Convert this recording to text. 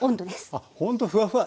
あっほんとふわふわ。